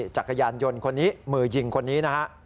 จากกระยานยนต์คนนี้มือยิงคนนี้